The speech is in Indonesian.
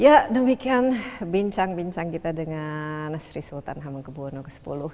ya demikian bincang bincang kita dengan sri sultan hamengkebuwono x